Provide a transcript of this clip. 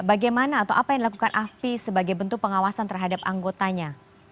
bagaimana atau apa yang dilakukan afpi sebagai bentuk pengawasan terhadap anggotanya